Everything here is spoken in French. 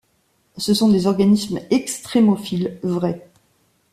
Ce sont des organismes extrêmophiles-vrais.